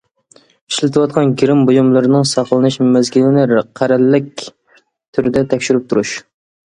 ئىشلىتىۋاتقان گىرىم بۇيۇملىرىنىڭ ساقلىنىش مەزگىلىنى قەرەللىك تۈردە تەكشۈرۈپ تۇرۇش.